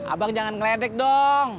abang jangan ngeledek dong